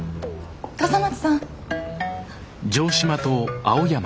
笠松さん。